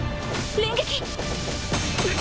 連撃！